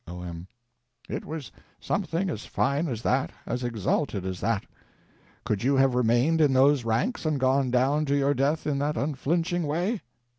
O.M. It was something as fine as that, as exalted as that. Could you have remained in those ranks and gone down to your death in that unflinching way?